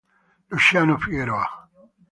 Luciano Figueroa